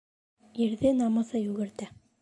Ирҙе намыҫы йүгертә.